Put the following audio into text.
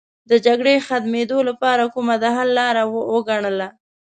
د جګړې ختمېدو لپاره کومه د حل لاره وګڼله.